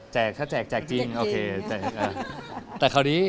แจกถ้าแจกจริงโอเค